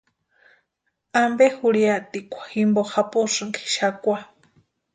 ¿Ampe jurhiatikwa jimpo japosïnki xakwa?